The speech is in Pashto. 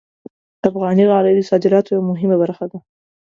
افغاني غالۍ د صادراتو یوه مهمه برخه ده.